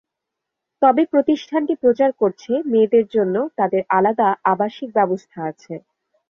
তবে প্রতিষ্ঠানটি প্রচার করছে, মেয়েদের জন্য তাদের আলাদা আবাসিক ব্যবস্থা আছে।